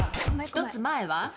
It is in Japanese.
１つ前は？